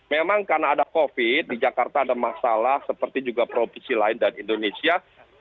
memang karena ada covid di jakarta ada masalah seperti juga provinsi lain dan indonesia